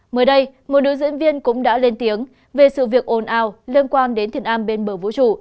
mới đây một nữ diễn viên cũng đã lên tiếng về sự việc ồn ào liên quan đến thiện am bên bờ vũ trụ